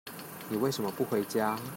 你為什麼不回家？